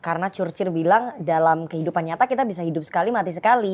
karena curcir bilang dalam kehidupan nyata kita bisa hidup sekali mati sekali